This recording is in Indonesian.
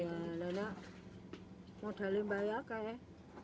ya karena modalnya banyak kayak